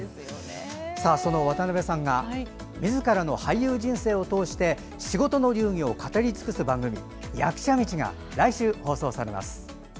その渡辺さんがみずからの俳優人生を通して仕事の流儀を語りつくす番組「役者道」が来週放送されます。